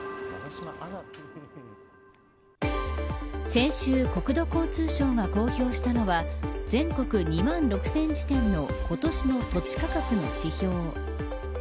先週、国土交通省が公表したのは全国２万６０００地点の今年の土地価格の指標。